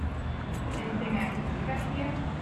Anything I can do back here?